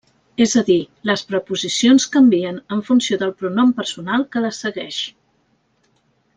És a dir, les preposicions canvien en funció del pronom personal que les segueix.